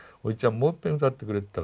もういっぺん歌ってくれって言ったらね